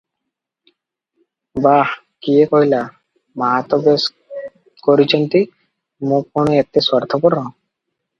"ବାଃ କିଏ କହିଲା- ମାଆତ ବେଶ୍ କରିଚନ୍ତି- ମୁଁ କଣ ଏତେ ସ୍ୱାର୍ଥପର ।